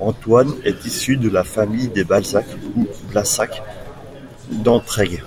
Antoine est issu de la famille des Balzac ou Blasac d'Entraigues.